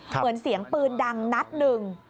เหมือนเสียงปืนดังนัดหนึ่ง